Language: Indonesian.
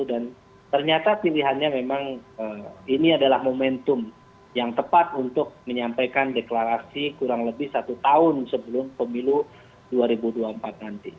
dan ternyata pilihannya memang ini adalah momentum yang tepat untuk menyampaikan deklarasi kurang lebih satu tahun sebelum pemilu dua ribu dua puluh empat nanti